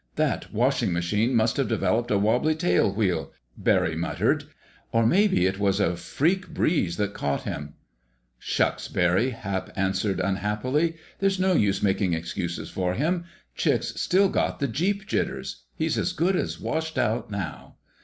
"That washing machine must have developed a wobbly tail wheel," Barry muttered; "or maybe it was a freak breeze that caught him." "Shucks, Barry," Hap answered unhappily. "There's no use making excuses for him. Chick's still got the jeep jitters. He's as good as washed out now."